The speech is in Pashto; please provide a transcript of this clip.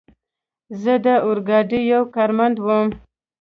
زه د اورګاډي یو کارمند ووم.